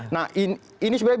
nah ini sebenarnya